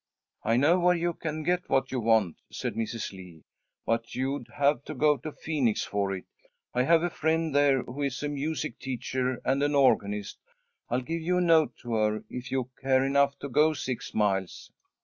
"I know where you can get what you want," said Mrs. Lee, "but you'd have to go to Phoenix for it. I have a friend there who is a music teacher and an organist. I'll give you a note to her, if you care enough to go six miles."